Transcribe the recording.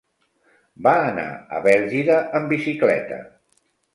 Va anar a Bèlgida amb bicicleta.